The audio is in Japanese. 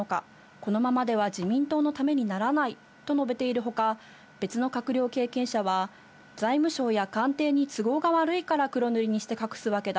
このままでは自民党のためにならないと述べているほか、別の閣僚経験者は、財務省や官邸に都合が悪いから、黒塗りにして隠すわけだ。